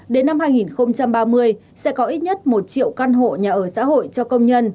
đến năm hai nghìn ba mươi sẽ có ít nhất một triệu căn hộ nhà ở xã hội cho công nhân